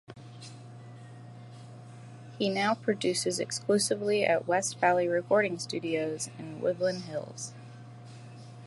He now produces exclusively at West Valley Recording Studios, in Woodland Hills.